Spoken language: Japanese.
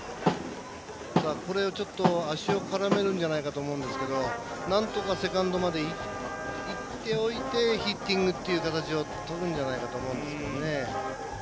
これ、足を絡めるんじゃないかと思うんですけどなんとかセカンドまで行っておいてヒッティングっていう形をとるんじゃないかと思います。